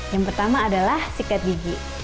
yang pertama adalah sikat gigi